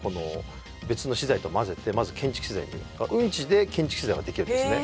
別の資材と混ぜてまず建築資材にうんちで建築資材ができるんですね